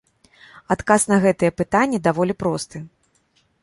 Адказ на гэта пытанне даволі просты.